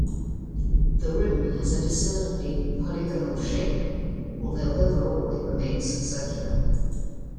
The rim has a discernibly polygonal shape, although overall it remains circular.